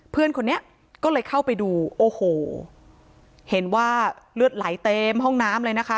เพื่อนคนนี้ก็เลยเข้าไปดูโอ้โหเห็นว่าเลือดไหลเต็มห้องน้ำเลยนะคะ